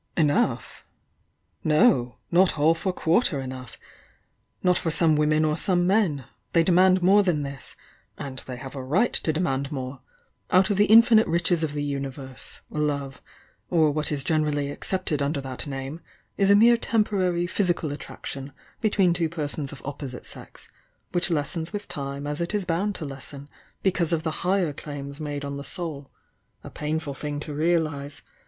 "Enough? No! — not half or quarter enough! Not for some women or some men— they demand more than this (and they have a right to demand more) out of the infinite riches of the Universe, Love, — or what is generally accepted under that name, is a mere temporary physical attraction be tween two persons of opposite sex, which leseens with time as it is bound to lessen because of the higher claims made on the soul. — a painful thing to realise!